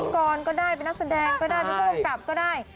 เป็นพยิกรก็ได้เป็นนักแสดงก็ได้เป็นผู้ภูมิกับก็ได้